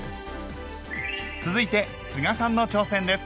続いて須賀さんの挑戦です！